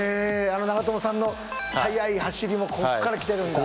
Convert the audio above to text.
あの長友さんの速い走りもここからきてるんだ。